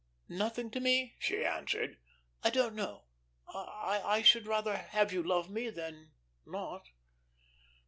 "Nothing to me?" she answered. "I don't know. I should rather have you love me than not."